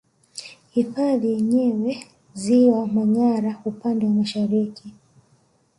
Hifadhi yenyewe Ziwa Manyara upande wa Mashariki